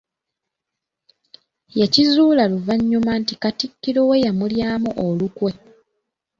Yakizuula luvannyuma nti katikkiro we yamulyamu olukwe.